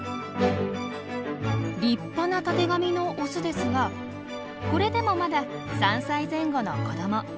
立派なたてがみのオスですがこれでもまだ３歳前後の子ども。